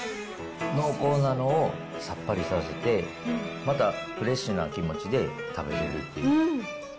濃厚なのをさっぱりさせて、またフレッシュな気持ちで食べれるっていう。